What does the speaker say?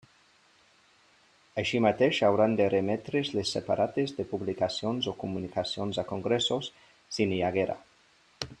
Així mateix hauran de remetre's les separates de publicacions o comunicacions a congressos, si n'hi haguera.